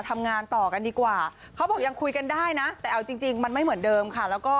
มดป่วยด้วยวันนี้มา